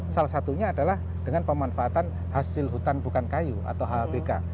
salah satunya adalah dengan pemanfaatan hasil hutan bukan kayu atau hbk